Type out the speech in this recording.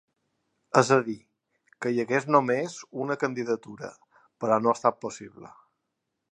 És a dir, que hi hagués només una candidatura, però no ha estat possible.